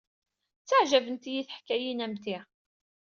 Ttaɛjabent-iyi teḥkayin am ti.